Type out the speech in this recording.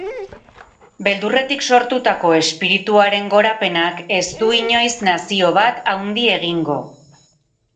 Beldurretik sortutako espirituaren gorapenak ez du inoiz nazio bat handi egingo.